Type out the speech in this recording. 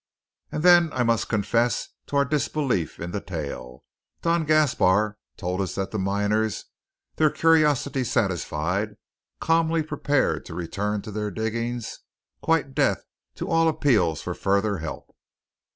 And then, I must confess, to our disbelief in the tale, Don Gaspar told us that the miners, their curiosity satisfied, calmly prepared to return to their diggings, quite deaf to all appeals for further help.